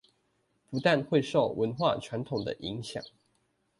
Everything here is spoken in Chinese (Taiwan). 不但會受文化傳統的影響